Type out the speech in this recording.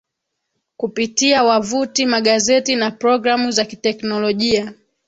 kupitia Wavuti magazeti na programu za kiteknolojia